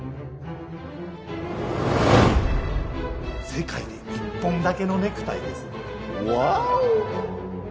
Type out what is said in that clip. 世界で一本だけのネクタイです。